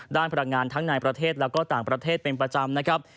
พลังงานทั้งในประเทศและก็ต่างประเทศเป็นประจำนะครับ